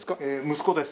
息子です。